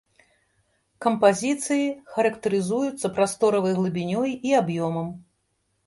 Кампазіцыі характарызуюцца прасторавай глыбінёй і аб'ёмам.